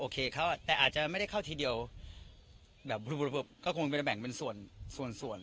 เขาแต่อาจจะไม่ได้เข้าทีเดียวแบบก็คงจะแบ่งเป็นส่วนส่วน